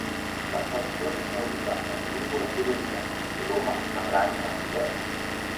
La stazione è ubicata lungo la ferrovia Roma-Capranica-Viterbo.